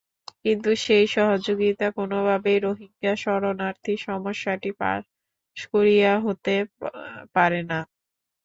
কিন্তু সেই সহযোগিতা কোনোভাবেই রোহিঙ্গা শরণার্থী সমস্যাটি পাশ কাটিয়ে হতে পারে না।